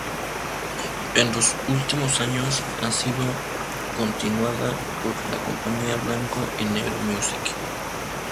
En los últimos años ha sido continuada por la compañía Blanco y Negro Music.